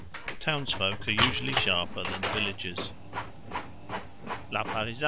Townsfolk are usually sharper than villagers.